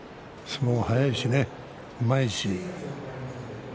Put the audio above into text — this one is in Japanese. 相撲が速いし、うまいし。